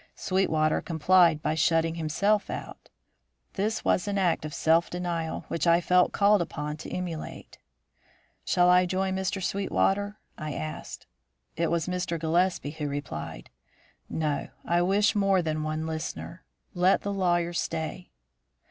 Sweetwater complied by shutting himself out. This was an act of self denial which I felt called upon to emulate. "Shall I join Mr. Sweetwater?" I asked. It was Mr. Gillespie who replied: "No. I wish more than one listener; let the lawyer stay."